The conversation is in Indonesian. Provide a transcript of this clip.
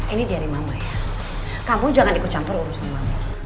ini dari mama ya kamu jangan ikut campur urusan mama